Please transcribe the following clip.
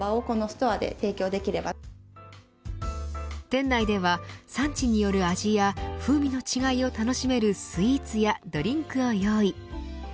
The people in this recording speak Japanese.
店内では産地による味や風味の違いを楽しめるスイーツやドリンクを用意。